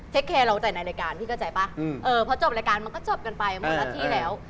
เทคเคร์เราแต่ในรายการพอจบรายการมันก็จบกันไปหมดละทีแล้ว